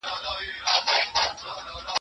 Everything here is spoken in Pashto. چي هر څه یې په دانو خواري ایستله